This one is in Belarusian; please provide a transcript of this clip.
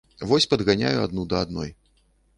Вось падганяю адну да адной.